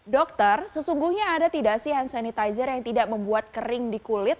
dokter sesungguhnya ada tidak sih hand sanitizer yang tidak membuat kering di kulit